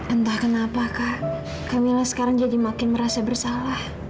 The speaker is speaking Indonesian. entah kenapa kak kamilah sekarang jadi makin merasa bersalah